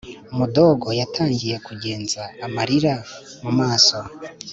mudogo yatangiye kuzenga amarira mumaso